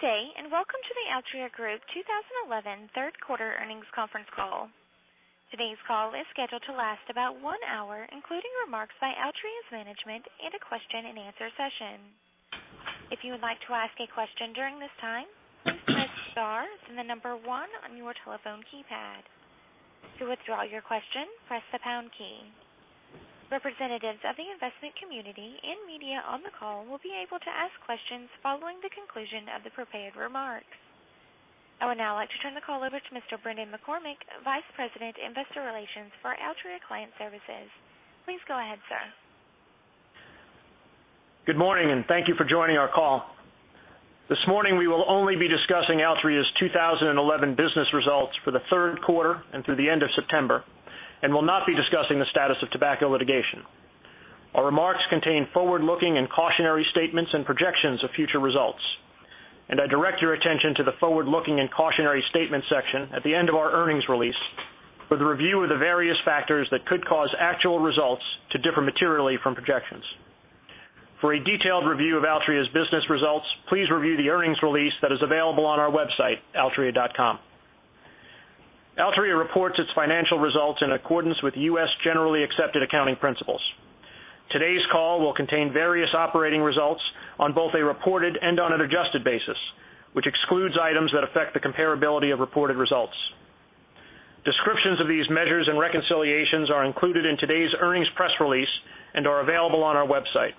Good day, and welcome to the Altria Group 2011 Third Quarter Earnings Conference Call. Today's call is scheduled to last about one hour, including remarks by Altria's management and a question and answer session. If you would like to ask a question during this time, press star and the number one on your telephone keypad. To withdraw your question, press the pound key. Representatives of the investment community and media on the call will be able to ask questions following the conclusion of the prepared remarks. I would now like to turn the call over to Mr. Brendan McCormick, Vice President, Investor Relations for Altria Client Services. Please go ahead, sir. Good morning, and thank you for joining our call. This morning, we will only be discussing Altria Group's 2011 business results for the third quarter and through the end of September, and will not be discussing the status of tobacco litigation. Our remarks contain forward-looking and cautionary statements and projections of future results. I direct your attention to the forward-looking and cautionary statements section at the end of our earnings release for the review of the various factors that could cause actual results to differ materially from projections. For a detailed review of Altria Group's business results, please review the earnings release that is available on our website, altria.com. Altria Group reports its financial results in accordance with U.S. generally accepted accounting principles. Today's call will contain various operating results on both a reported and unadjusted basis, which excludes items that affect the comparability of reported results. Descriptions of these measures and reconciliations are included in today's earnings press release and are available on our website.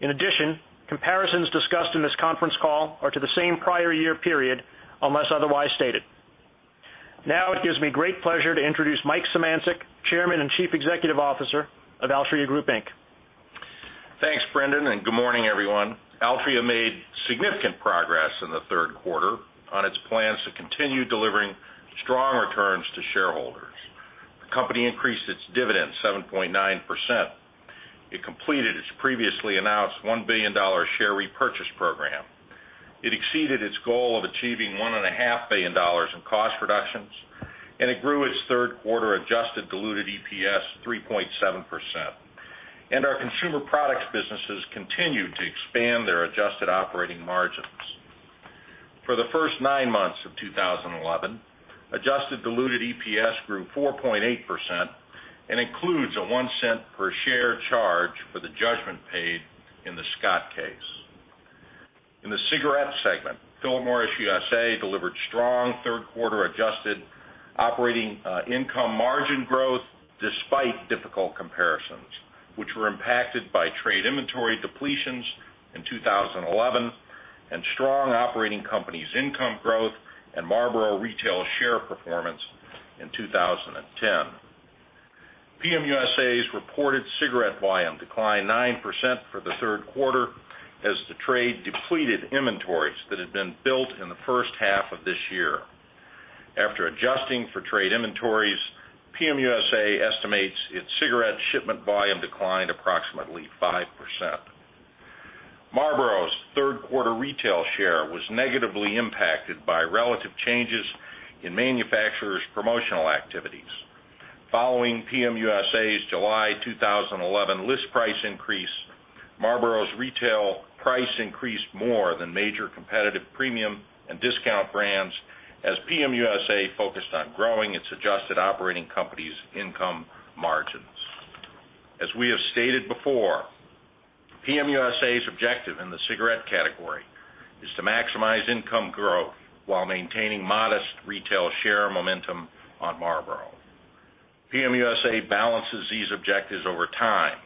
In addition, comparisons discussed in this conference call are to the same prior year period unless otherwise stated. Now, it gives me great pleasure to introduce Michael Szymanczyk, Chairman and Chief Executive Officer of Altria Group, Inc. Thanks, Brendan, and good morning, everyone. Altria made significant progress in the third quarter on its plans to continue delivering strong returns to shareholders. The company increased its dividends 7.9%. It completed its previously announced $1 billion share repurchase program. It exceeded its goal of achieving $1.5 billion in cost reductions, and it grew its third-quarter adjusted diluted EPS 3.7%. Our consumer products businesses continued to expand their adjusted operating margins. For the first nine months of 2011, adjusted diluted EPS grew 4.8% and includes a $0.01 per share charge for the judgment paid in the Scott case. In the cigarette segment, Philip Morris USA delivered strong third-quarter adjusted operating income margin growth despite difficult comparisons, which were impacted by trade inventory depletions in 2011 and strong operating companies' income growth and Marlboro retail share performance in 2010. PMUSA's reported cigarette volume declined 9% for the third quarter as the trade depleted inventories that had been built in the first half of this year. After adjusting for trade inventories, PMUSA estimates its cigarette shipment volume declined approximately 5%. Marlboro's third-quarter retail share was negatively impacted by relative changes in manufacturers' promotional activities. Following PMUSA's July 2011 list price increase, Marlboro's retail price increased more than major competitive premium and discount brands as PMUSA focused on growing its adjusted operating companies' income margins. As we have stated before, PMUSA's objective in the cigarette category is to maximize income growth while maintaining modest retail share momentum on Marlboro. PMUSA balances these objectives over time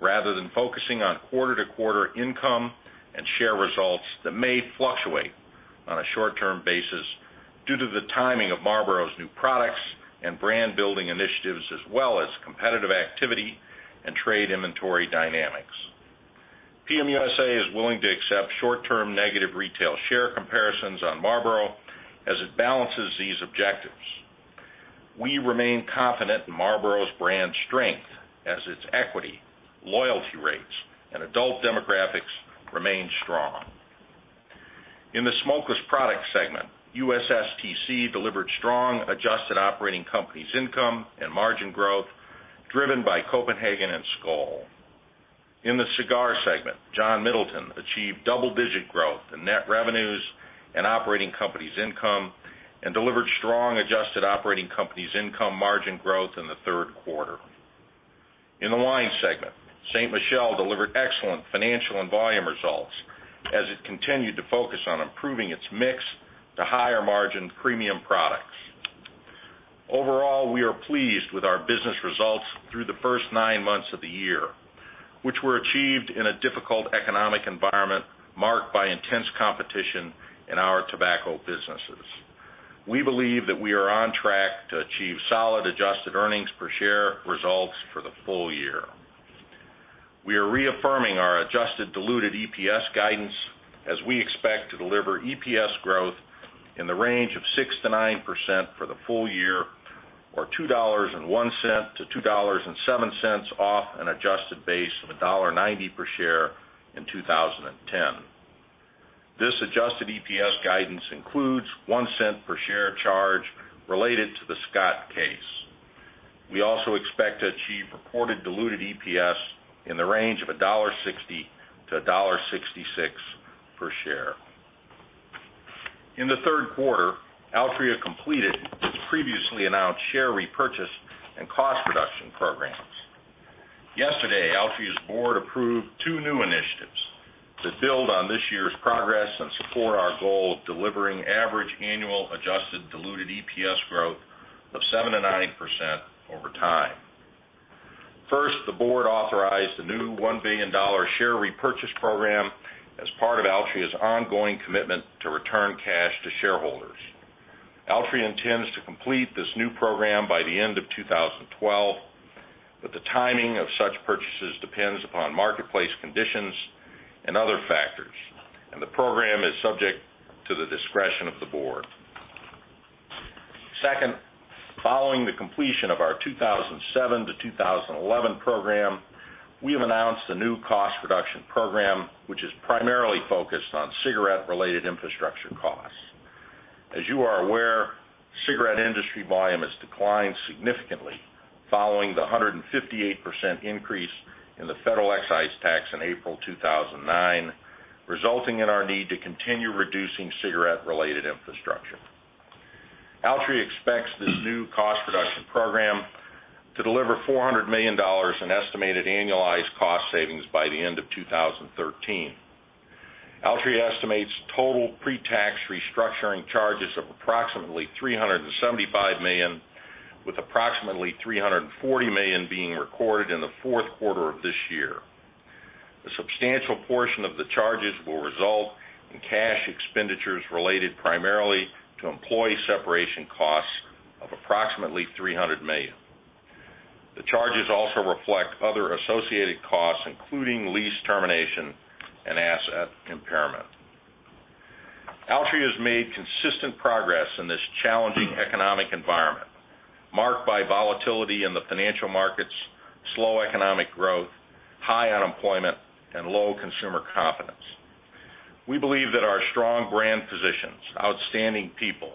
rather than focusing on quarter-to-quarter income and share results that may fluctuate on a short-term basis due to the timing of Marlboro's new products and brand-building initiatives, as well as competitive activity and trade inventory dynamics. PMUSA is willing to accept short-term negative retail share comparisons on Marlboro as it balances these objectives. We remain confident in Marlboro's brand strength as its equity, loyalty rates, and adult demographics remain strong. In the smokeless products segment, USSTC delivered strong adjusted operating companies' income and margin growth driven by Copenhagen and Skoal. In the cigar segment, John Middleton achieved double-digit growth in net revenues and operating companies' income and delivered strong adjusted operating companies' income margin growth in the third quarter. In the wine segment, Ste. Michelle delivered excellent financial and volume results as it continued to focus on improving its mix to higher margin premium products. Overall, we are pleased with our business results through the first nine months of the year, which were achieved in a difficult economic environment marked by intense competition in our tobacco businesses. We believe that we are on track to achieve solid adjusted earnings per share results for the full year. We are reaffirming our adjusted diluted EPS guidance as we expect to deliver EPS growth in the range of 6%-9% for the full year or $2.01-$2.07 off an adjusted base of $1.90 per share in 2010. This adjusted EPS guidance includes a $0.01 per share charge related to the Scott case. We also expect to achieve reported diluted EPS in the range of $1.60-$1.66 per share. In the third quarter, Altria completed its previously announced share repurchase and cost reduction programs. Yesterday, Altria's board approved two new initiatives that build on this year's progress and support our goal of delivering average annual adjusted diluted EPS growth of 7%-9% over time. First, the board authorized a new $1 billion share repurchase program as part of Altria's ongoing commitment to return cash to shareholders. Altria intends to complete this new program by the end of 2012, but the timing of such purchases depends upon marketplace conditions and other factors, and the program is subject to the discretion of the board. Second, following the completion of our 2007 to 2011 program, we have announced a new cost reduction program which is primarily focused on cigarette-related infrastructure costs. As you are aware, cigarette industry volume has declined significantly following the 158% increase in the federal excise tax in April 2009, resulting in our need to continue reducing cigarette-related infrastructure. Altria expects this new cost reduction program to deliver $400 million in estimated annualized cost savings by the end of 2013. Altria estimates total pre-tax restructuring charges of approximately $375 million, with approximately $340 million being recorded in the fourth quarter of this year. A substantial portion of the charges will result in cash expenditures related primarily to employee separation costs of approximately $300 million. The charges also reflect other associated costs, including lease termination and asset impairment. Altria has made consistent progress in this challenging economic environment marked by volatility in the financial markets, slow economic growth, high unemployment, and low consumer confidence. We believe that our strong brand positions, outstanding people,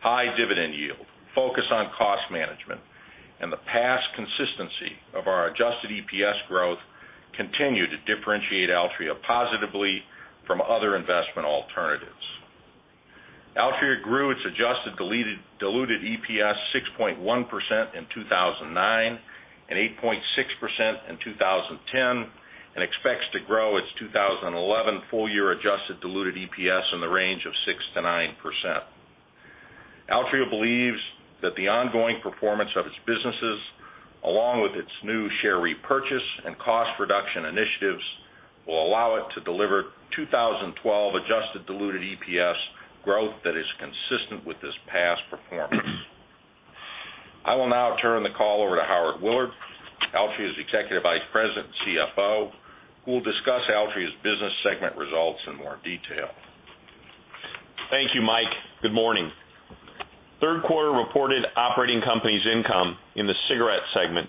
high dividend yield, focus on cost management, and the past consistency of our adjusted EPS growth continue to differentiate Altria positively from other investment alternatives. Altria grew its adjusted diluted EPS 6.1% in 2009 and 8.6% in 2010 and expects to grow its 2011 full-year adjusted diluted EPS in the range of 6%-9%. Altria believes that the ongoing performance of its businesses, along with its new share repurchase and cost reduction initiatives, will allow it to deliver 2012 adjusted diluted EPS growth that is consistent with this past performance. I will now turn the call over to Howard Willard, Altria's Executive Vice President, CFO, who will discuss Altria's business segment results in more detail. Thank you, Mike. Good morning. Third-quarter reported operating companies' income in the cigarette segment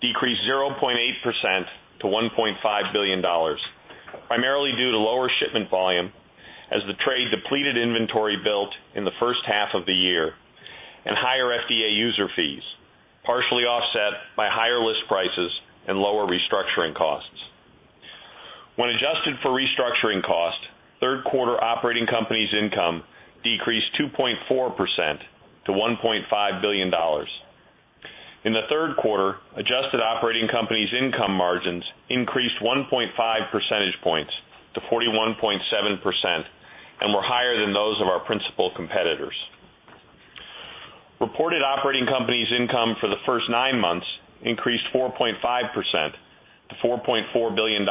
decreased 0.8% to $1.5 billion, primarily due to lower shipment volume as the trade depleted inventory built in the first half of the year and higher FDA user fees, partially offset by higher list prices and lower restructuring costs. When adjusted for restructuring costs, third-quarter operating companies' income decreased 2.4% to $1.5 billion. In the third quarter, adjusted operating companies' income margins increased 1.5 percentage points to 41.7% and were higher than those of our principal competitors. Reported operating companies' income for the first nine months increased 4.5% to $4.4 billion,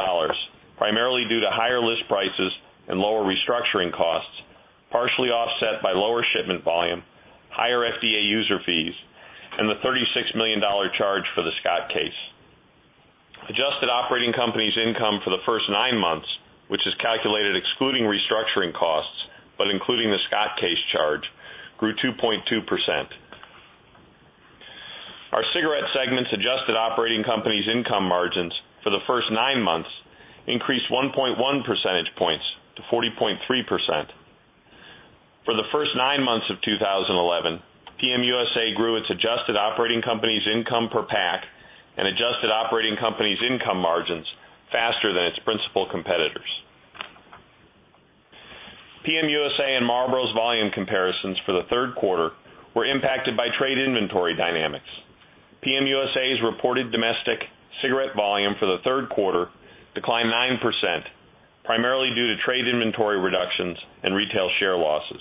primarily due to higher list prices and lower restructuring costs, partially offset by lower shipment volume, higher FDA user fees, and the $36 million charge for the Scott case. Adjusted operating companies' income for the first nine months, which is calculated excluding restructuring costs but including the Scott case charge, grew 2.2%. Our cigarette segment's adjusted operating companies' income margins for the first nine months increased 1.1 percentage points to 40.3%. For the first nine months of 2011, PMUSA grew its adjusted operating companies' income per pack and adjusted operating companies' income margins faster than its principal competitors. PMUSA and Marlboro's volume comparisons for the third quarter were impacted by trade inventory dynamics. PMUSA's reported domestic cigarette volume for the third quarter declined 9%, primarily due to trade inventory reductions and retail share losses.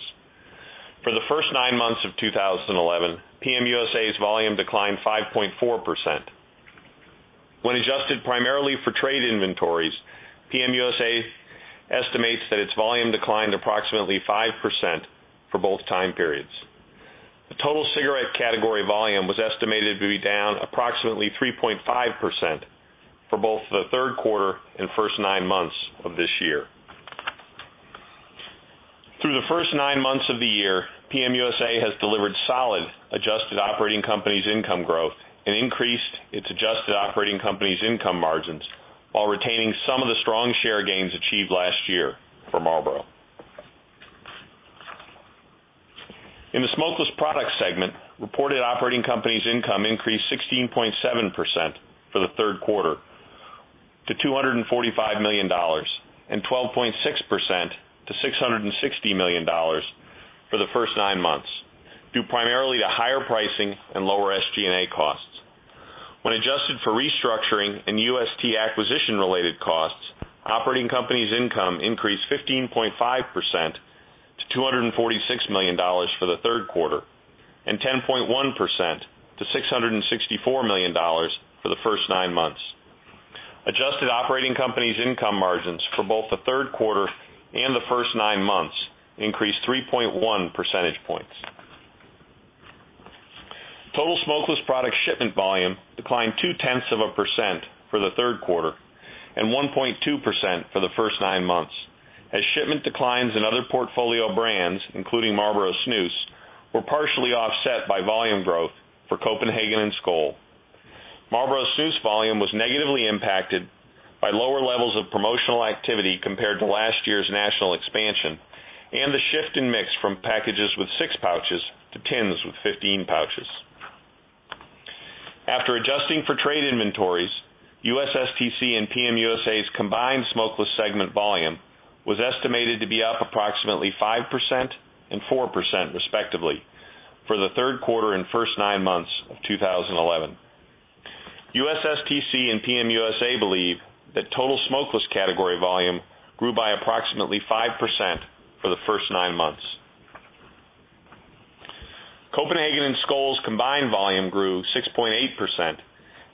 For the first nine months of 2011, PMUSA's volume declined 5.4%. When adjusted primarily for trade inventories, PMUSA estimates that its volume declined approximately 5% for both time periods. The total cigarette category volume was estimated to be down approximately 3.5% for both the third quarter and first nine months of this year. Through the first nine months of the year, PMUSA has delivered solid adjusted operating companies' income growth and increased its adjusted operating companies' income margins while retaining some of the strong share gains achieved last year for Marlboro. In the smokeless products segment, reported operating companies' income increased 16.7% for the third quarter to $245 million and 12.6% to $660 million for the first nine months, due primarily to higher pricing and lower SG&A costs. When adjusted for restructuring and UST acquisition-related costs, operating companies' income increased 15.5% to $246 million for the third quarter and 10.1% to $664 million for the first nine months. Adjusted operating companies' income margins for both the third quarter and the first nine months increased 3.1 percentage points. Total smokeless product shipment volume declined 0.2% for the third quarter and 1.2% for the first nine months, as shipment declines in other portfolio brands, including Marlboro Snus, were partially offset by volume growth for Copenhagen and Skoal. Marlboro Snus volume was negatively impacted by lower levels of promotional activity compared to last year's national expansion and the shift in mix from packages with six pouches to tins with 15 pouches. After adjusting for trade inventories, USSTC and PMUSA's combined smokeless segment volume was estimated to be up approximately 5% and 4% respectively for the third quarter and first nine months of 2011. USSTC and PMUSA believe that total smokeless category volume grew by approximately 5% for the first nine months. Copenhagen and Skoal's combined volume grew 6.8%,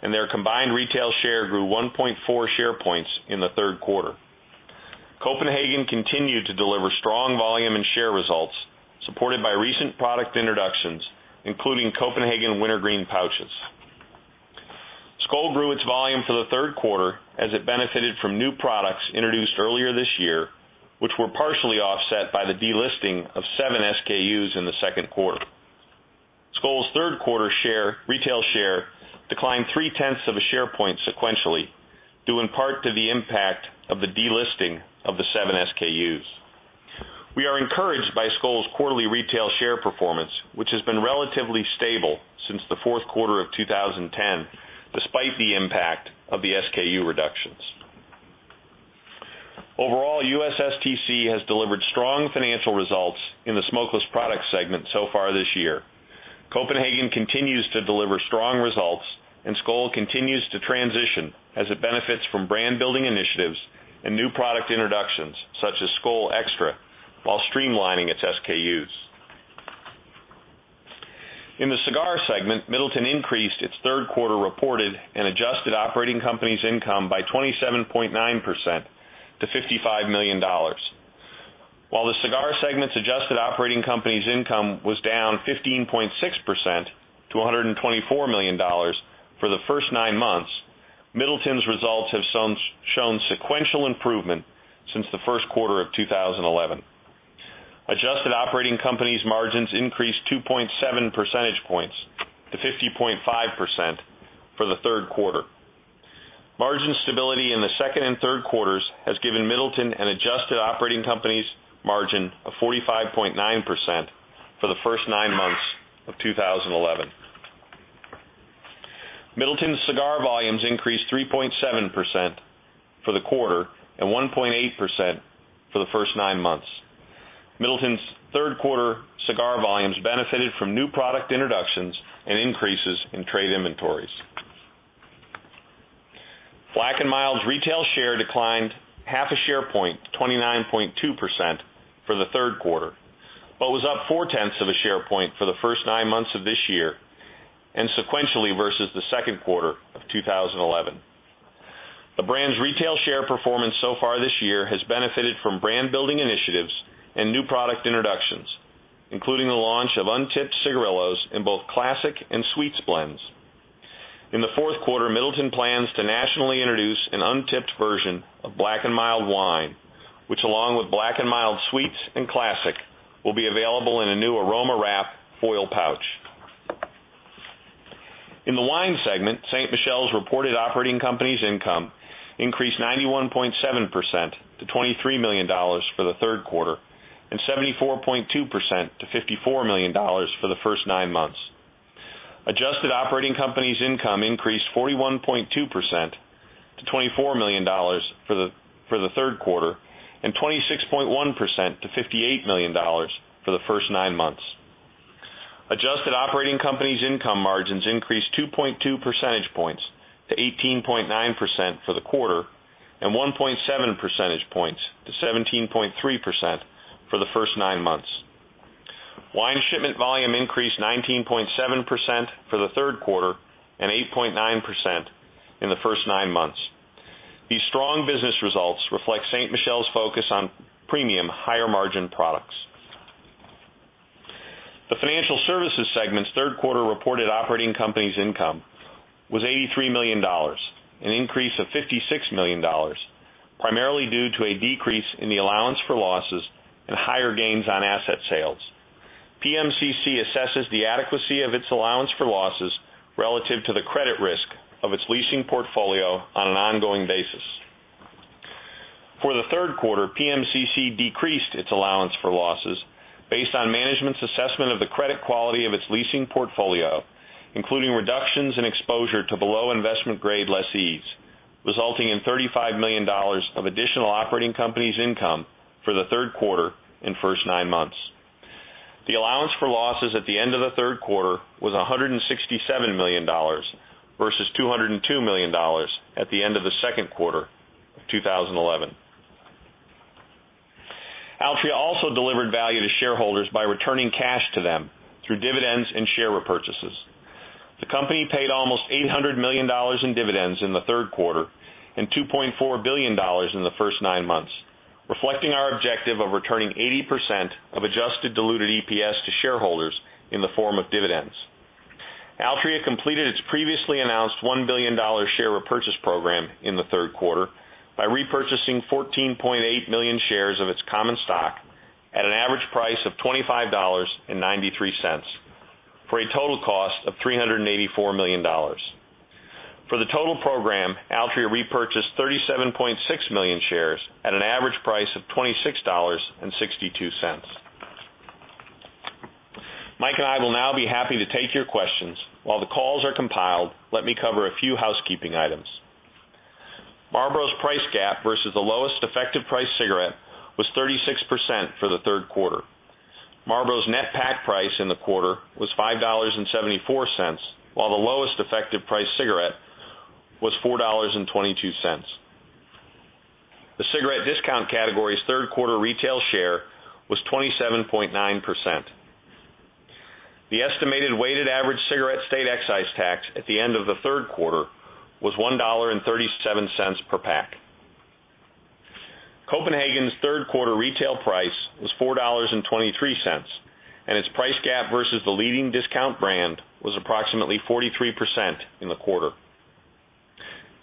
and their combined retail share grew 1.4 share points in the third quarter. Copenhagen continued to deliver strong volume and share results supported by recent product introductions, including Copenhagen Wintergreen Pouches. Skoal grew its volume for the third quarter as it benefited from new products introduced earlier this year, which were partially offset by the delisting of seven SKUs in the second quarter. Skoal's third quarter retail share declined 0.3 of a share point sequentially, due in part to the impact of the delisting of the seven SKUs. We are encouraged by Skoal's quarterly retail share performance, which has been relatively stable since the fourth quarter of 2010, despite the impact of the SKU reductions. Overall, USSTC has delivered strong financial results in the smokeless products segment so far this year. Copenhagen continues to deliver strong results, and Skoal continues to transition as it benefits from brand-building initiatives and new product introductions such as Skoal Extra while streamlining its SKUs. In the cigar segment, Middleton increased its third-quarter reported and adjusted operating companies' income by 27.9% to $55 million. While the cigar segment's adjusted operating companies' income was down 15.6% to $124 million for the first nine months, Middleton's results have shown sequential improvement since the first quarter of 2011. Adjusted operating companies' margins increased 2.7 percentage points to 50.5% for the third quarter. Margin stability in the second and third quarters has given Middleton an adjusted operating companies' margin of 45.9% for the first nine months of 2011. Middleton's cigar volumes increased 3.7% for the quarter and 1.8% for the first nine months. Middleton's third-quarter cigar volumes benefited from new product introductions and increases in trade inventories. Black & Mild's retail share declined 1/2 a share point to 29.2% for the third quarter, but was up 0.4 of a share point for the first nine months of this year and sequentially versus the second quarter of 2011. The brand's retail share performance so far this year has benefited from brand-building initiatives and new product introductions, including the launch of untipped cigarillos in both classic and sweets blends. In the fourth quarter, Middleton plans to nationally introduce an untipped version of Black & Mild wine, which, along with Black & Mild sweets and classic, will be available in a new aroma wrap foil pouch. In the wine segment, Ste. Michelle's reported operating companies' income increased 91.7% to $23 million for the third quarter and 74.2% to $54 million for the first nine months. Adjusted operating companies' income increased 41.2% to $24 million for the third quarter and 26.1% to $58 million for the first nine months. Adjusted operating companies' income margins increased 2.2 percentage points to 18.9% for the quarter and 1.7 percentage points to 17.3% for the first nine months. Wine shipment volume increased 19.7% for the third quarter and 8.9% in the first nine months. These strong business results reflect Ste. Michelle's focus on premium, higher margin products. The financial services segment's third-quarter reported operating companies' income was $83 million, an increase of $56 million, primarily due to a decrease in the allowance for losses and higher gains on asset sales. PMCC assesses the adequacy of its allowance for losses relative to the credit risk of its leasing portfolio on an ongoing basis. For the third quarter, PMCC decreased its allowance for losses based on management's assessment of the credit quality of its leasing portfolio, including reductions in exposure to below-investment-grade lessees, resulting in $35 million of additional operating companies' income for the third quarter and first nine months. The allowance for losses at the end of the third quarter was $167 million versus $202 million at the end of the second quarter of 2011. Altria also delivered value to shareholders by returning cash to them through dividends and share repurchases. The company paid almost $800 million in dividends in the third quarter and $2.4 billion in the first nine months, reflecting our objective of returning 80% of adjusted diluted EPS to shareholders in the form of dividends. Altria completed its previously announced $1 billion share repurchase program in the third quarter by repurchasing 14.8 million shares of its common stock at an average price of $25.93 for a total cost of $384 million. For the total program, Altria repurchased 37.6 million shares at an average price of $26.62. Mike and I will now be happy to take your questions. While the calls are compiled, let me cover a few housekeeping items. Marlboro's price gap versus the lowest effective price cigarette was 36% for the third quarter. Marlboro's net pack price in the quarter was $5.74, while the lowest effective price cigarette was $4.22. The cigarette discount category's third-quarter retail share was 27.9%. The estimated weighted average cigarette state excise tax at the end of the third quarter was $1.37 per pack. Copenhagen's third-quarter retail price was $4.23, and its price gap versus the leading discount brand was approximately 43% in the quarter.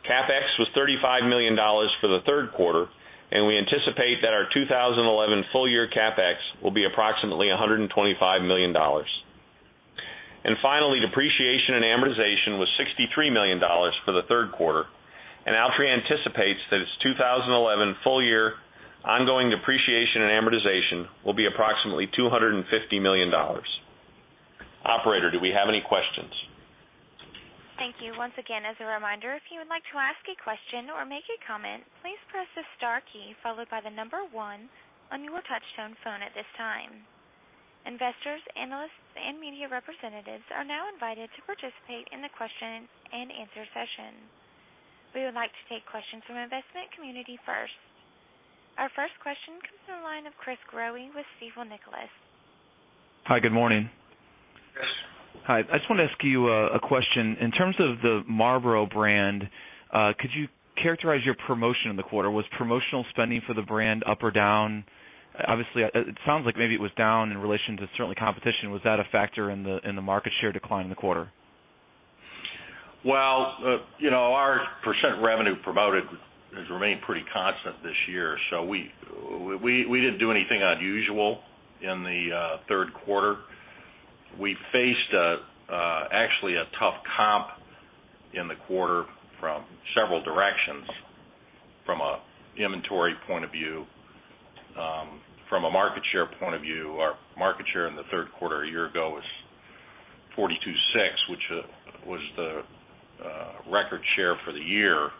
CapEx was $35 million for the third quarter, and we anticipate that our 2011 full-year CapEx will be approximately $125 million. Finally, depreciation and amortization was $63 million for the third quarter, and Altria anticipates that its 2011 full-year ongoing depreciation and amortization will be approximately $250 million. Operator, do we have any questions? Thank you. Once again, as a reminder, if you would like to ask a question or make a comment, please press the star key followed by the number one on your touchstone phone at this time. Investors, analysts, and media representatives are now invited to participate in the question and answer session. We would like to take questions from the investment community first. Our first question comes from the line of Chris Growe with CFO Nicholas. Hi, good morning. Yes. Hi. I just want to ask you a question. In terms of the Marlboro brand, could you characterize your promotion in the quarter? Was promotional spending for the brand up or down? Obviously, it sounds like maybe it was down in relation to certainly competition. Was that a factor in the market share decline in the quarter? Our percent revenue promoted has remained pretty constant this year, so we did not do anything unusual in the third quarter. We faced actually a tough comp in the quarter from several directions. From an inventory point of view, from a market share point of view, our market share in the third quarter a year ago was 42.6%, which was the record share for the year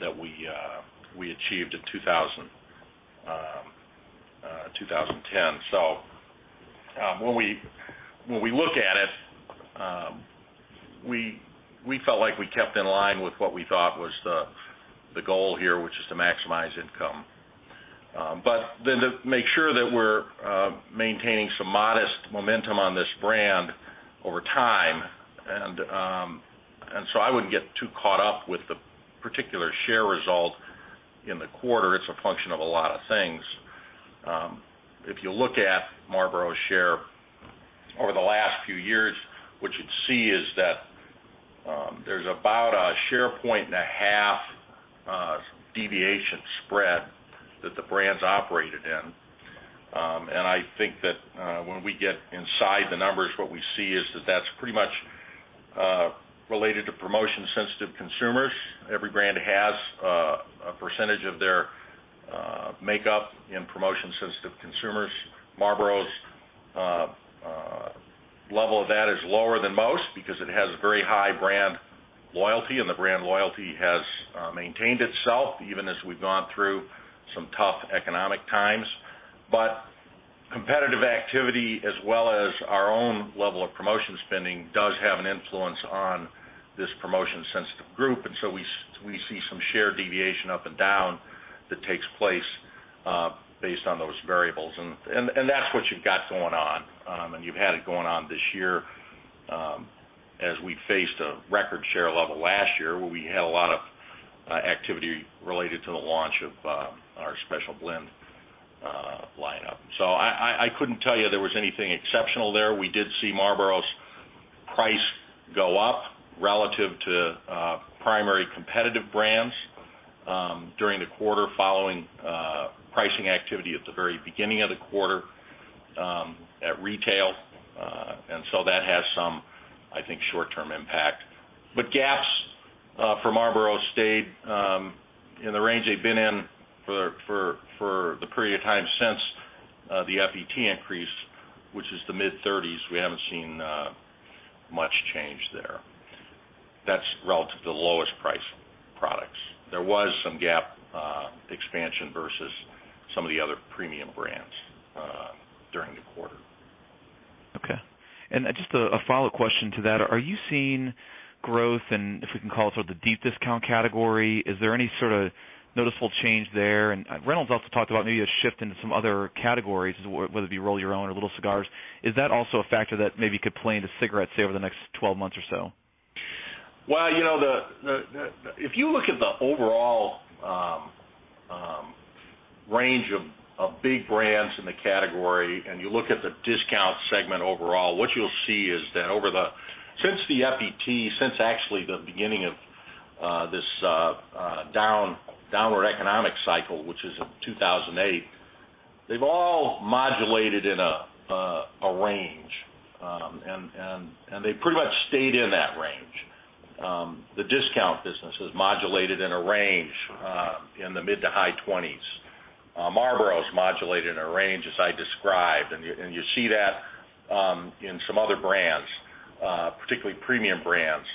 that we achieved in 2010. When we look at it, we felt like we kept in line with what we thought was the goal here, which is to maximize income, but then to make sure that we're maintaining some modest momentum on this brand over time. I would not get too caught up with the particular share result in the quarter. It's a function of a lot of things. If you look at Marlboro's share over the last few years, what you'd see is that there's about a share point and a half deviation spread that the brand has operated in. I think that when we get inside the numbers, what we see is that that's pretty much related to promotion-sensitive consumers. Every brand has a percentage of their makeup in promotion-sensitive consumers. Marlboro's level of that is lower than most because it has very high brand loyalty, and the brand loyalty has maintained itself even as we've gone through some tough economic times. Competitive activity, as well as our own level of promotion spending, does have an influence on this promotion-sensitive group. We see some share deviation up and down that takes place based on those variables. That's what you've got going on, and you've had it going on this year as we faced a record share level last year where we had a lot of activity related to the launch of our special blend lineup. I could not tell you there was anything exceptional there. We did see Marlboro's price go up relative to primary competitive brands during the quarter following pricing activity at the very beginning of the quarter at retail. That has some, I think, short-term impact. Gaps for Marlboro stayed in the range they've been in for the period of time since the federal excise tax increased, which is the mid-30s. We have not seen much change there. That's relative to the lowest priced products. There was some gap expansion versus some of the other premium brands during the quarter. Okay. Just a follow-up question to that. Are you seeing growth in, if we can call it, sort of the deep discount category? Is there any sort of noticeable change there? Reynolds also talked about maybe a shift into some other categories, whether it be roll-your-own or little cigars. Is that also a factor that maybe could play into cigarettes, say, over the next 12 months or so? If you look at the overall range of big brands in the category and you look at the discount segment overall, what you'll see is that since the federal excise tax, since actually the beginning of this downward economic cycle, which is 2008, they've all modulated in a range, and they've pretty much stayed in that range. The discount business has modulated in a range in the mid to high 20s. Marlboro's modulated in a range, as I described, and you see that in some other brands, particularly premium brands.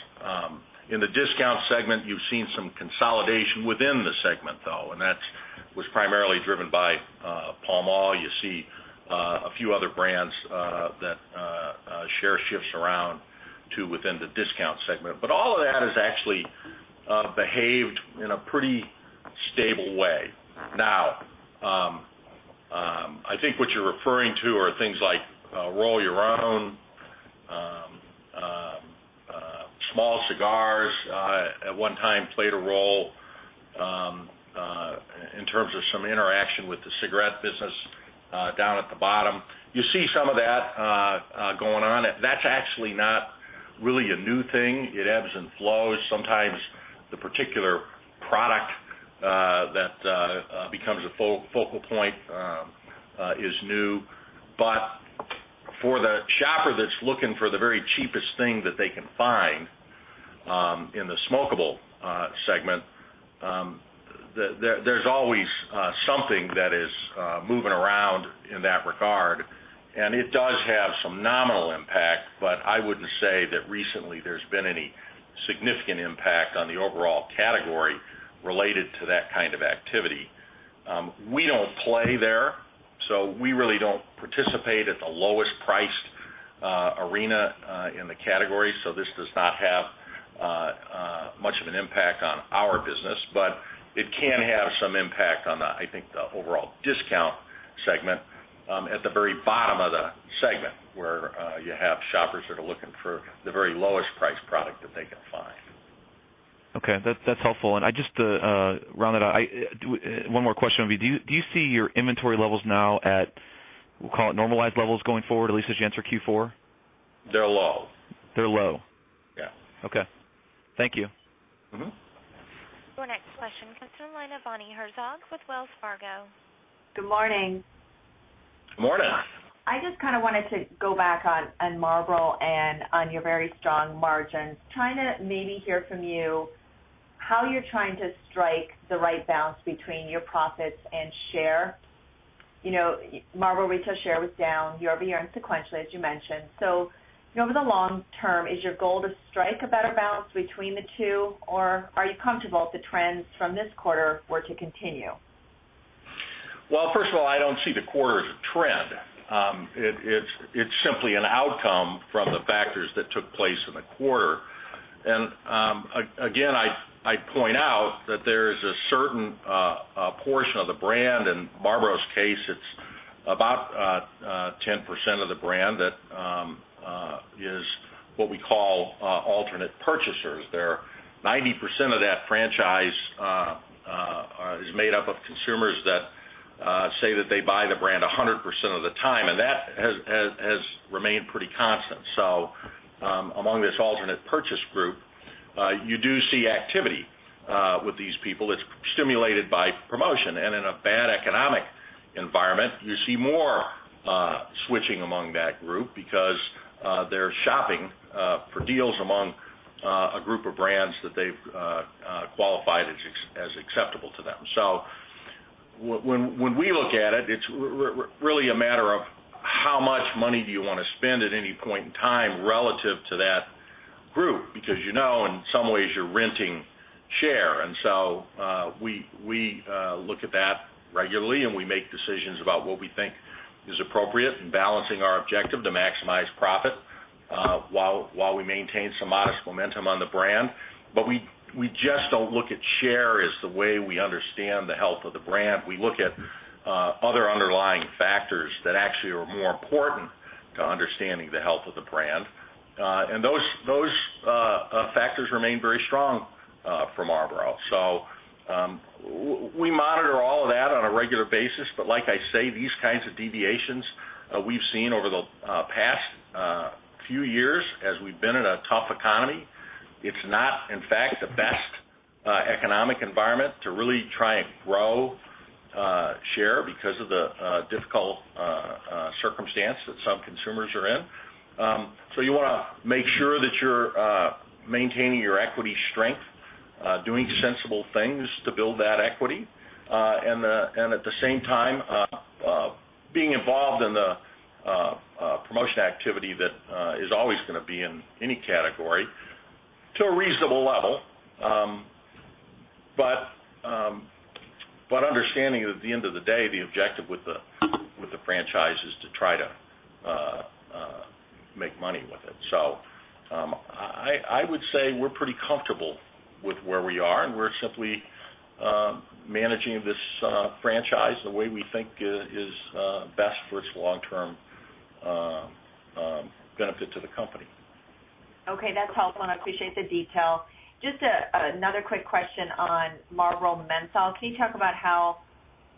In the discount segment, you've seen some consolidation within the segment, though, and that was primarily driven by Pall Mall. You see a few other brands that share shifts around to within the discount segment. All of that has actually behaved in a pretty stable way. I think what you're referring to are things like roll-your-own, small cigars at one time played a role in terms of some interaction with the cigarette business down at the bottom. You see some of that going on. That's actually not really a new thing. It ebbs and flows. Sometimes the particular product that becomes a focal point is new. For the shopper that's looking for the very cheapest thing that they can find in the smokable segment, there's always something that is moving around in that regard. It does have some nominal impact, but I wouldn't say that recently there's been any significant impact on the overall category related to that kind of activity. We don't play there, so we really don't participate at the lowest priced arena in the category. This does not have much of an impact on our business, but it can have some impact on the overall discount segment at the very bottom of the segment where you have shoppers that are looking for the very lowest priced product that they can find. Okay. That's helpful. I just to round that out, one more question would be, do you see your inventory levels now at, we'll call it normalized levels going forward, at least as you enter Q4? They're low. They're low? Yeah. Okay, thank you. Our next question comes from the line of Bonnie Herzog with Wells Fargo. Good morning. Morning. I just wanted to go back on Marlboro and on your very strong margins, trying to maybe hear from you how you're trying to strike the right balance between your profits and share. Marlboro retail share was down year-over-year and sequentially, as you mentioned. Over the long term, is your goal to strike a better balance between the two, or are you comfortable if the trends from this quarter were to continue? First of all, I don't see the quarter as a trend. It's simply an outcome from the factors that took place in the quarter. Again, I'd point out that there is a certain portion of the brand, in Marlboro's case, it's about 10% of the brand that is what we call alternate purchasers. There are 90% of that franchise made up of consumers that say they buy the brand 100% of the time, and that has remained pretty constant. Among this alternate purchase group, you do see activity with these people. It's stimulated by promotion. In a bad economic environment, you see more switching among that group because they're shopping for deals among a group of brands that they've qualified as acceptable to them. When we look at it, it's really a matter of how much money you want to spend at any point in time relative to that group because, in some ways, you're renting share. We look at that regularly, and we make decisions about what we think is appropriate in balancing our objective to maximize profit while we maintain some modest momentum on the brand. We just don't look at share as the way we understand the health of the brand. We look at other underlying factors that actually are more important to understanding the health of the brand. Those factors remain very strong for Marlboro. We monitor all of that on a regular basis. Like I say, these kinds of deviations we've seen over the past few years as we've been in a tough economy. It's not, in fact, the best economic environment to really try and grow share because of the difficult circumstance that some consumers are in. You want to make sure that you're maintaining your equity strength, doing sensible things to build that equity, and at the same time, being involved in the promotion activity that is always going to be in any category to a reasonable level. Understanding that at the end of the day, the objective with the franchise is to try to make money with it. I would say we're pretty comfortable with where we are, and we're simply managing this franchise the way we think is best for its long-term benefit to the company. Okay. That's helpful, and I appreciate the detail. Just another quick question on Marlboro Menthol. Can you talk about how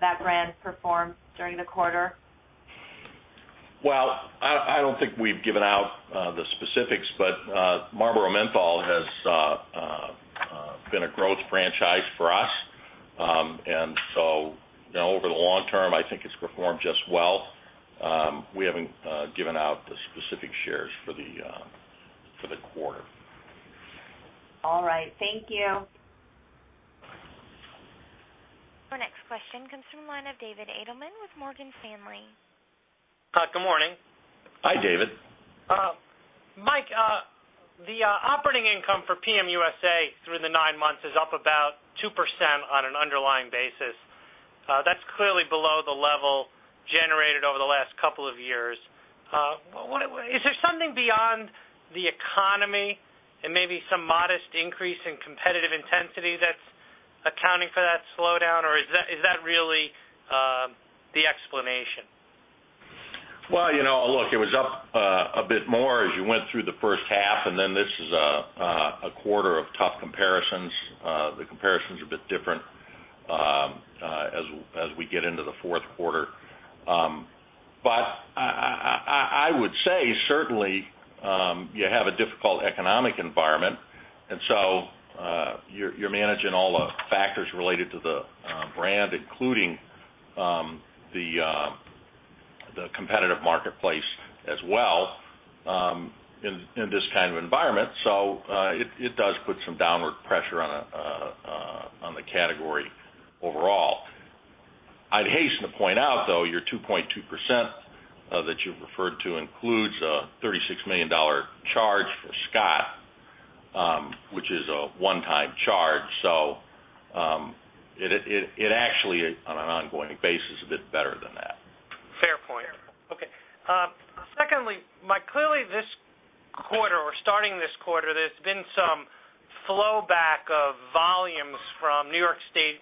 that brand performed during the quarter? I don't think we've given out the specifics, but Marlboro Menthol has been a growth franchise for us. Over the long term, I think it's performed just well. We haven't given out the specific shares for the quarter. All right. Thank you. Our next question comes from the line of David Adelman with Morgan Stanley. Hi. Good morning. Hi, David. Mike, the operating income for PMUSA through the nine months is up about 2% on an underlying basis. That's clearly below the level generated over the last couple of years. Is there something beyond the economy and maybe some modest increase in competitive intensity that's accounting for that slowdown, or is that really the explanation? It was up a bit more as you went through the first half, and this is a quarter of tough comparisons. The comparisons are a bit different as we get into the fourth quarter. I would say certainly you have a difficult economic environment, and you're managing all the factors related to the brand, including the competitive marketplace as well in this kind of environment. It does put some downward pressure on the category overall. I'd hasten to point out, though, your 2.2% that you've referred to includes a $36 million charge for Scott, which is a one-time charge. It actually, on an ongoing basis, is a bit better than that. Fair point. Okay. Secondly, Mike, clearly this quarter, or starting this quarter, there's been some flowback of volumes from New York State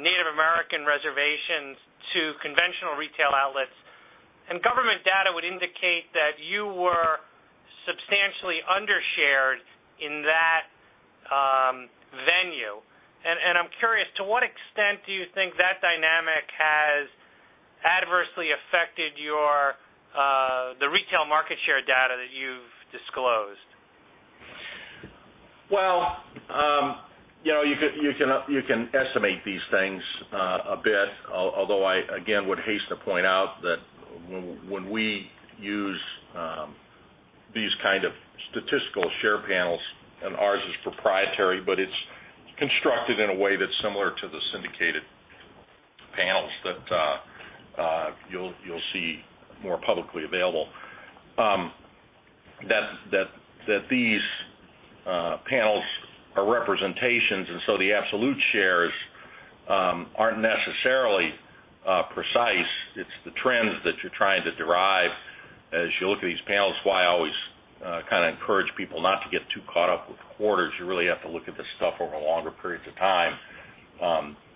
Native American reservations to conventional retail outlets. Government data would indicate that you were substantially undershared in that venue. I'm curious, to what extent do you think that dynamic has adversely affected the retail market share data that you've disclosed? You can estimate these things a bit, although I, again, would hasten to point out that when we use these kind of statistical share panels, and ours is proprietary, but it's constructed in a way that's similar to the syndicated panels that you'll see more publicly available, that these panels are representations, and so the absolute shares aren't necessarily precise. It's the trends that you're trying to derive as you look at these panels, which is why I always kind of encourage people not to get too caught up with quarters. You really have to look at this stuff over longer periods of time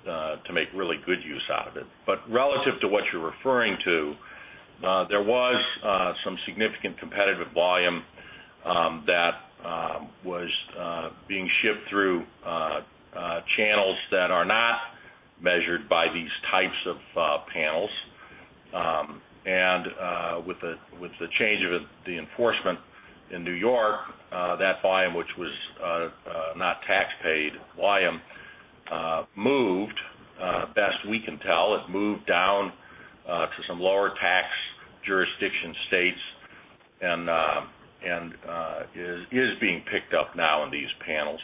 to make really good use out of it. Relative to what you're referring to, there was some significant competitive volume that was being shipped through channels that are not measured by these types of panels. With the change of the enforcement in New York, that volume, which was not tax-paid volume, moved, best we can tell, it moved down to some lower tax jurisdiction states and is being picked up now in these panels.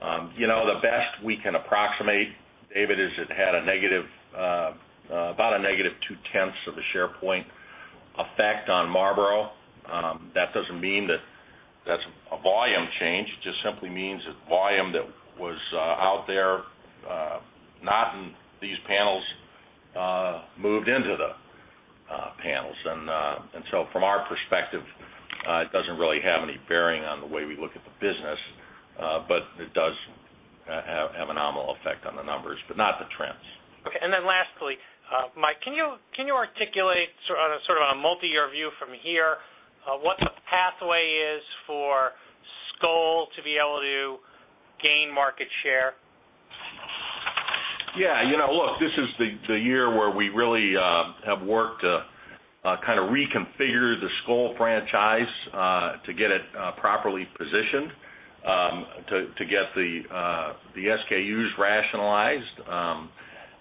The best we can approximate, David, is it had a negative, about a -0.2 of a share point effect on Marlboro. That doesn't mean that that's a volume change. It just simply means that volume that was out there, not in these panels, moved into the panels. From our perspective, it doesn't really have any bearing on the way we look at the business, but it does have a nominal effect on the numbers, but not the trends. Okay. Lastly, Mike, can you articulate sort of on a multi-year view from here what the pathway is for Skoal to be able to gain market share? Yeah. You know, look, this is the year where we really have worked to kind of reconfigure the Skoal franchise to get it properly positioned, to get the SKUs rationalized,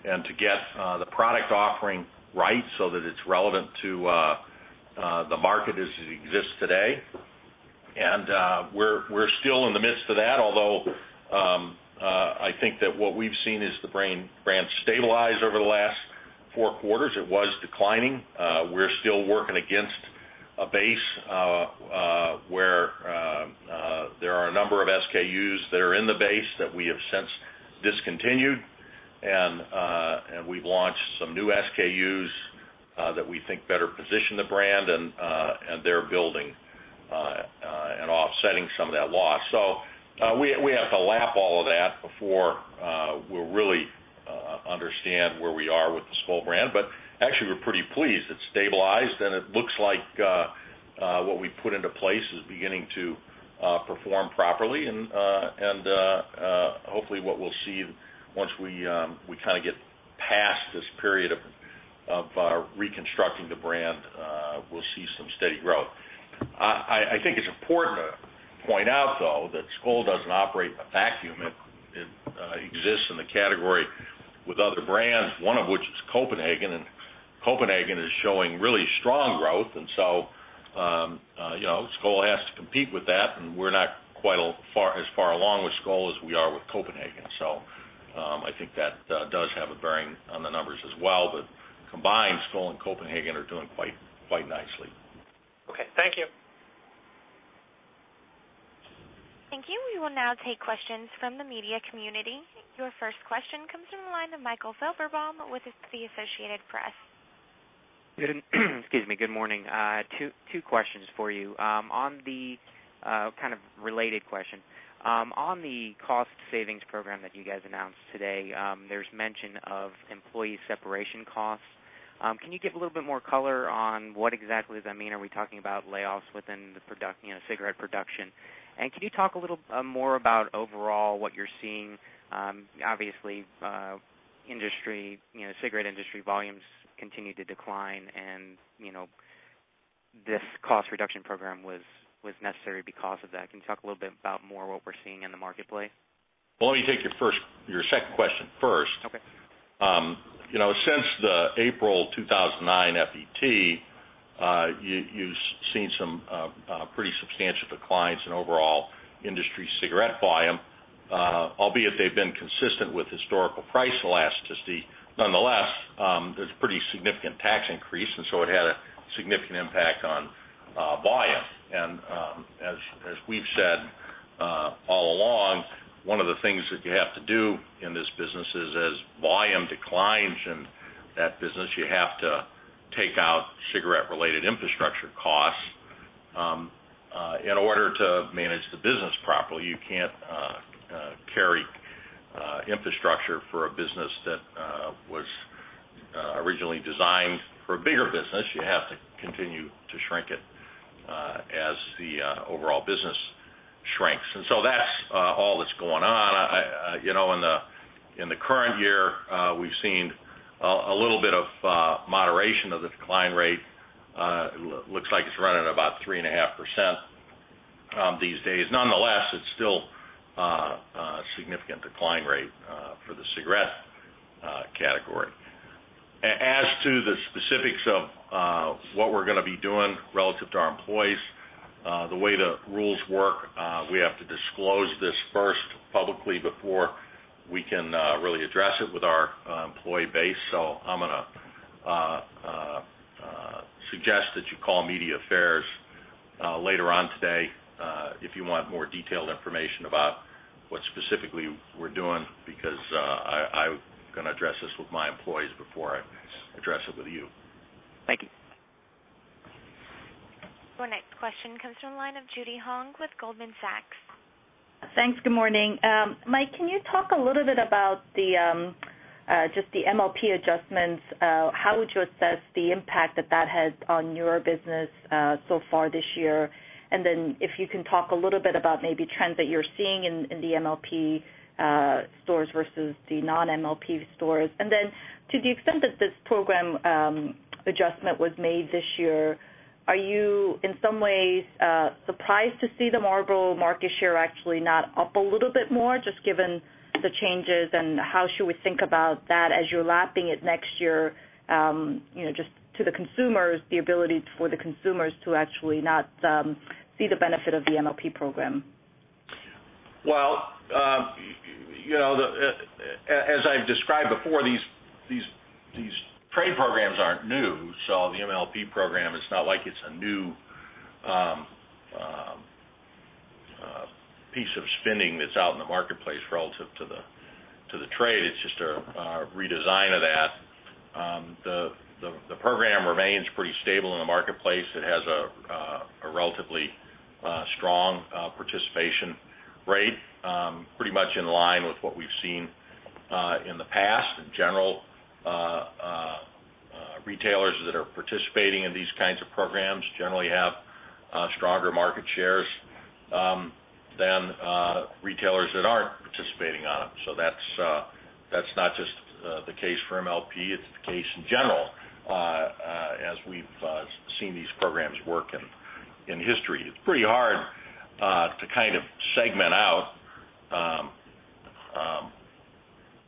and to get the product offering right so that it's relevant to the market as it exists today. We're still in the midst of that, although I think that what we've seen is the brand stabilize over the last four quarters. It was declining. We're still working against a base where there are a number of SKUs that are in the base that we have since discontinued, and we've launched some new SKUs that we think better position the brand, and they're building and offsetting some of that loss. We have to lap all of that before we'll really understand where we are with the Skoal brand. Actually, we're pretty pleased. It's stabilized, and it looks like what we put into place is beginning to perform properly. Hopefully, what we'll see once we kind of get past this period of reconstructing the brand, we'll see some steady growth. I think it's important to point out, though, that Skoal doesn't operate in a vacuum. It exists in the category with other brands, one of which is Copenhagen, and Copenhagen is showing really strong growth. Skoal has to compete with that, and we're not quite as far along with Skoal as we are with Copenhagen. I think that does have a bearing on the numbers as well. Combined, Skoal and Copenhagen are doing quite nicely. Okay, thank you. Thank you. We will now take questions from the media community. Your first question comes from the line of Michael Felberbaum with the Associated Press. Excuse me. Good morning. Two questions for you. On the kind of related question, on the cost savings program that you guys announced today, there's mention of employee separation costs. Can you give a little bit more color on what exactly does that mean? Are we talking about layoffs within the cigarette production? Can you talk a little more about overall what you're seeing? Obviously, cigarette industry volumes continue to decline, and you know this cost reduction program was necessary because of that. Can you talk a little bit about more what we're seeing in the marketplace? Let me take your second question first. Okay. Since the April 2009 federal excise tax, you've seen some pretty substantial declines in overall industry cigarette volume, albeit they've been consistent with historical price elasticity. Nonetheless, there's a pretty significant tax increase, and it had a significant impact on volume. As we've said all along, one of the things that you have to do in this business is as volume declines in that business, you have to take out cigarette-related infrastructure costs in order to manage the business properly. You can't carry infrastructure for a business that was originally designed for a bigger business. You have to continue to shrink it as the overall business shrinks. That's all that's going on. In the current year, we've seen a little bit of moderation of the decline rate. It looks like it's running at about 3.5% these days. Nonetheless, it's still a significant decline rate for the cigarette category. As to the specifics of what we're going to be doing relative to our employees, the way the rules work, we have to disclose this first publicly before we can really address it with our employee base. I'm going to suggest that you call media affairs later on today if you want more detailed information about what specifically we're doing because I'm going to address this with my employees before I address it with you. Thank you. Our next question comes from the line of Judy Hong with Goldman Sachs. Thanks. Good morning. Mike, can you talk a little bit about just the MLP adjustments? How would you assess the impact that that had on your business so far this year? If you can talk a little bit about maybe trends that you're seeing in the MLP stores versus the non-MLP stores. To the extent that this program adjustment was made this year, are you in some ways surprised to see the Marlboro market share actually not up a little bit more, just given the changes? How should we think about that as you're lapping it next year, just to the consumers, the ability for the consumers to actually not see the benefit of the MLP program? As I've described before, these trade programs aren't new. The MLP program is not like it's a new piece of spending that's out in the marketplace relative to the trade. It's just a redesign of that. The program remains pretty stable in the marketplace. It has a relatively strong participation rate, pretty much in line with what we've seen in the past. In general, retailers that are participating in these kinds of programs generally have stronger market shares than retailers that aren't participating in it. That's not just the case for MLP. It's the case in general as we've seen these programs work in history. It's pretty hard to kind of segment out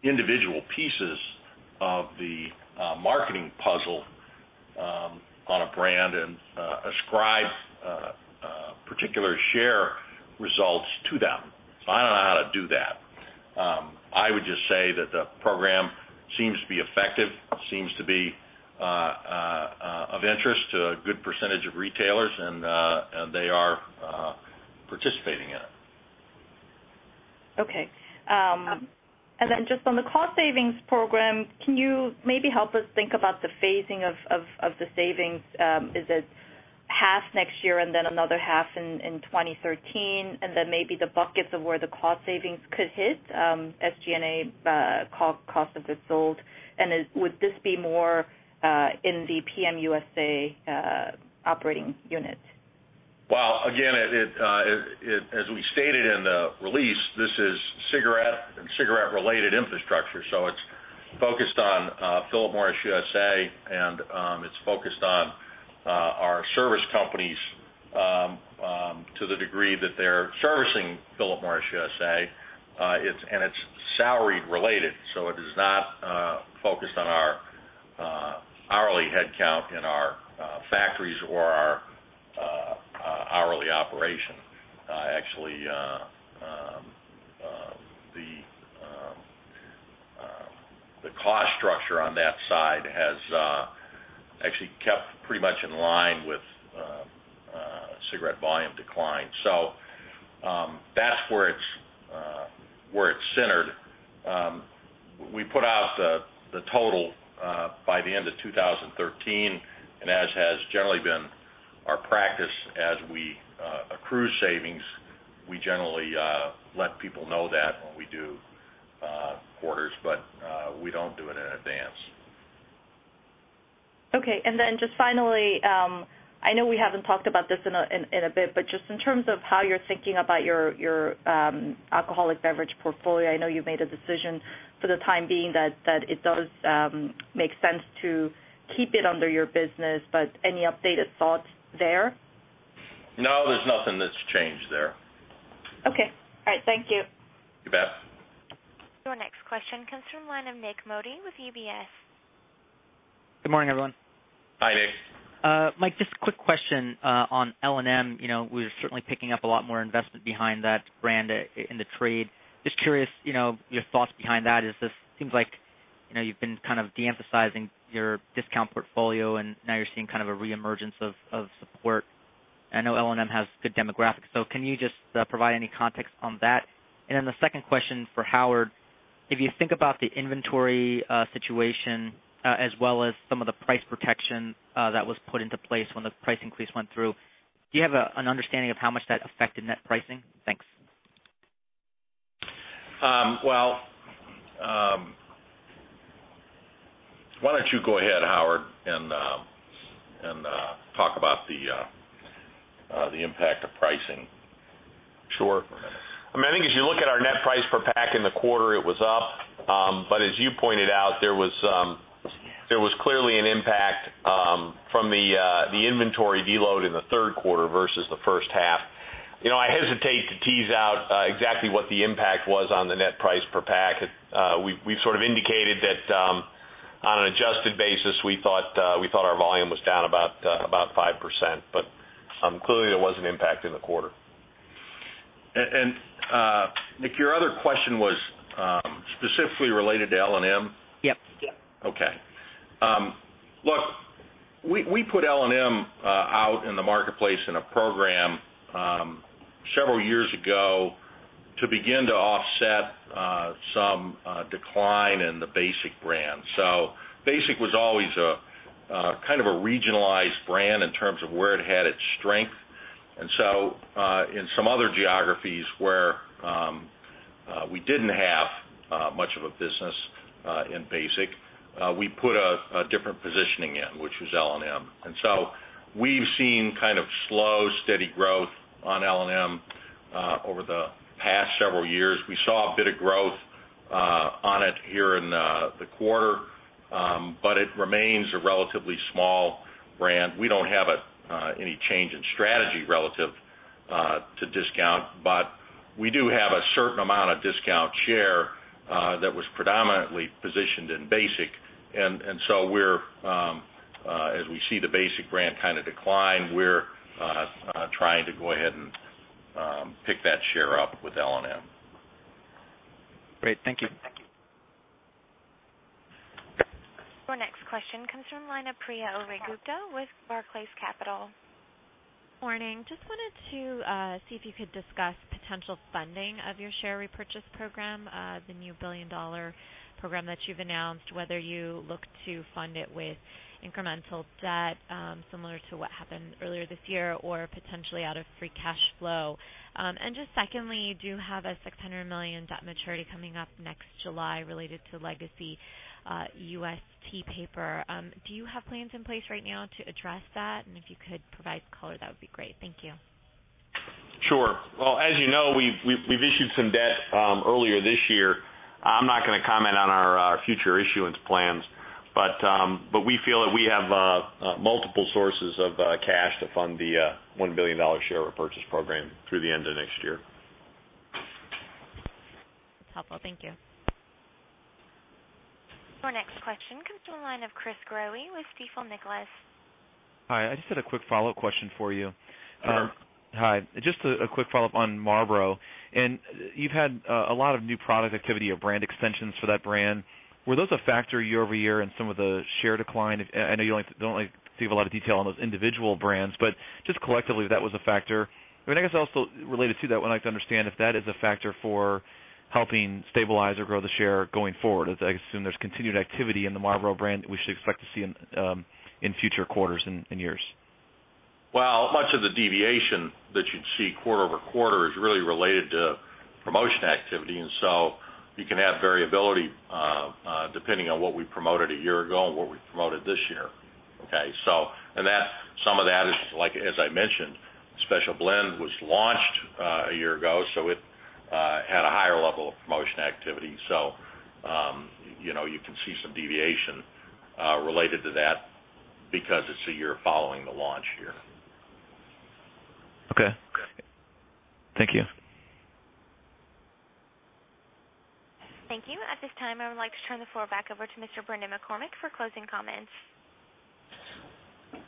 individual pieces of the marketing puzzle on a brand and ascribe particular share results to them. I don't know how to do that. I would just say that the program seems to be effective, seems to be of interest to a good percentage of retailers, and they are participating in it. Okay. Just on the cost savings program, can you maybe help us think about the phasing of the savings? Is it half next year and then another half in 2013, and then maybe the buckets of where the cost savings could hit, SG&A, cost of goods sold? Would this be more in the PMUSA operating unit? As we stated in the release, this is cigarette and cigarette-related infrastructure. It is focused on Philip Morris USA, and it is focused on our service companies to the degree that they're servicing Philip Morris USA, and it's salaried related. It is not focused on our hourly headcount in our factories or our hourly operation. Actually, the cost structure on that side has actually kept pretty much in line with cigarette volume decline. That's where it's centered. We put out the total by the end of 2013, and as has generally been our practice, as we accrue savings, we generally let people know that when we do quarters, but we don't do it in advance. Okay. Finally, I know we haven't talked about this in a bit, but just in terms of how you're thinking about your alcoholic beverage portfolio, I know you've made a decision for the time being that it does make sense to keep it under your business, but any updated thoughts there? No, there's nothing that's changed there. Okay. All right. Thank you. You bet. Your next question comes from the line of Nik Modi with UBS. Good morning, everyone. Hi, Nik. Mike, just a quick question on L&M. We're certainly picking up a lot more investment behind that brand in the trade. Just curious, your thoughts behind that as it seems like you've been kind of de-emphasizing your discount portfolio, and now you're seeing kind of a re-emergence of support. I know L&M has good demographics. Can you just provide any context on that? The second question for Howard, if you think about the inventory situation as well as some of the price protection that was put into place when the price increase went through, do you have an understanding of how much that affected net pricing? Thanks. Howard, go ahead and talk about the impact of pricing. Sure. I mean, I think as you look at our net price per pack in the quarter, it was up. As you pointed out, there was clearly an impact from the inventory deload in the third quarter versus the first half. I hesitate to tease out exactly what the impact was on the net price per pack. We've sort of indicated that on an adjusted basis, we thought our volume was down about 5%. Clearly, there was an impact in the quarter. Nik, your other question was specifically related to L&M? Yep. Okay. Look, we put L&M out in the marketplace in a program several years ago to begin to offset some decline in the Basic brand. Basic was always kind of a regionalized brand in terms of where it had its strength. In some other geographies where we didn't have much of a business in Basic, we put a different positioning in, which was L&M. We've seen kind of slow, steady growth on L&M over the past several years. We saw a bit of growth on it here in the quarter, but it remains a relatively small brand. We don't have any change in strategy relative to discount, but we do have a certain amount of discount share that was predominantly positioned in Basic. As we see the Basic brand kind of decline, we're trying to go ahead and pick that share up with L&M. Great. Thank you. Our next question comes from the line of Priya Ohri-Gupta with Barclays Capital. Morning. Just wanted to see if you could discuss potential funding of your share repurchase program, the new $1 billion program that you've announced, whether you look to fund it with incremental debt similar to what happened earlier this year or potentially out of free cash flow. You do have a $600 million debt maturity coming up next July related to legacy UST paper. Do you have plans in place right now to address that? If you could provide color, that would be great. Thank you. As you know, we've issued some debt earlier this year. I'm not going to comment on our future issuance plans, but we feel that we have multiple sources of cash to fund the $1 billion share repurchase program through the end of next year. That's helpful. Thank you. Our next question comes from the line of Chris Growe with Stifel Nicolaus. Hi, I just had a quick follow-up question for you. Hi. Hi. Just a quick follow-up on Marlboro. You've had a lot of new product activity or brand extensions for that brand. Were those a factor year-over-year in some of the share decline? I know you don't seem to have a lot of detail on those individual brands, but just collectively, if that was a factor. I guess also related to that, I would like to understand if that is a factor for helping stabilize or grow the share going forward. I assume there's continued activity in the Marlboro brand that we should expect to see in future quarters and years. Much of the deviation that you'd see quarter over quarter is really related to promotion activity. You can have variability depending on what we promoted a year ago and what we promoted this year. Some of that is, like as I mentioned, Special Blend was launched a year ago, so it had a higher level of promotion activity. You can see some deviation related to that because it's a year following the launch here. Okay, thank you. Thank you. At this time, I would like to turn the floor back over to Mr. Brendan McCormick for closing comments.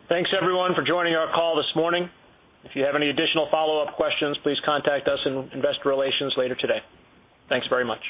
Thanks, everyone, for joining our call this morning. If you have any additional follow-up questions, please contact us in Investor Relations later today. Thanks very much.